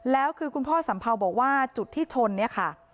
แล้วคือคุณพ่อสัมเภาบอกว่าจุดที่ชนเนี่ยค่ะ